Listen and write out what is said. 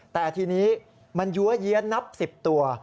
แต่ทีนี้มันยั้วเยี้ยนนับ๑๐ตัว